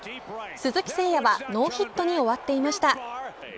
鈴木誠也はノーヒットに終わっていました。